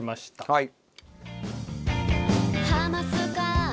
はい。